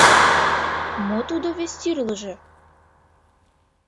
— Мо тудо вес тӱрлыжӧ?